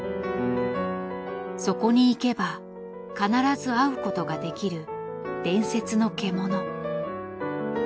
そこに行けば必ず会うことができる伝説の獣。